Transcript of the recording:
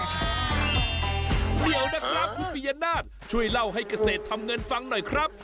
เดี๋ยวนะครับคุณปียนาศช่วยเล่าให้เกษตรทำเงินฟังหน่อยครับ